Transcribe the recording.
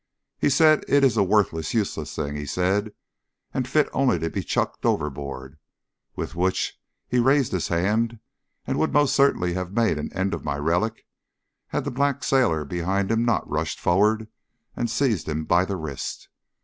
"He says it is a worthless, useless thing," he said, "and fit only to be chucked overboard," with which he raised his hand and would most certainly have made an end of my relic, had the black sailor behind him not rushed forward and seized him by the wrist.